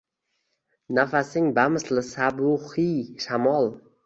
Nafasing bamisli sabuhiy shamol